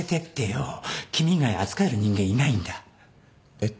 えっ？